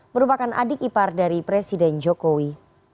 merupakan adik ipar dari presiden jokowi